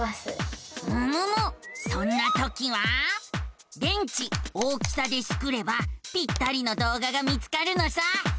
そんなときは「電池大きさ」でスクればぴったりの動画が見つかるのさ。